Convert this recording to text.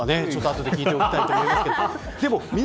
後で聞いておきたいと思いますけど。